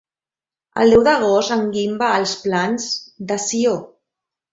El deu d'agost en Guim va als Plans de Sió.